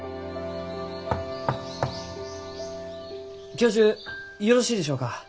教授よろしいでしょうか？